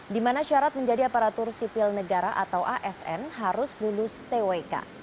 di mana syarat menjadi aparatur sipil negara atau asn harus lulus twk